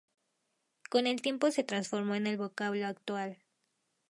Con el tiempo se transformó en el vocablo actual.